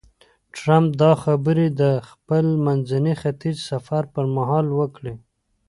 ټرمپ دا خبرې د خپل منځني ختیځ سفر پر مهال وکړې.